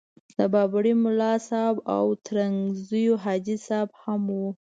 د بابړي ملاصاحب او ترنګزیو حاجي صاحب هم وو.